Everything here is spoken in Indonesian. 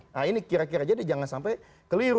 nah ini kira kira jadi jangan sampai keliru